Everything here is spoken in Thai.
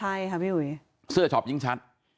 ใช่ค่ะพี่อุ๋ยเสื้อช็อปยิ่งชัด